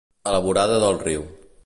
A la vorada del riu.